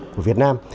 của việt nam